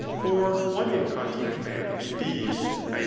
For one incontinent man, indeed, [i.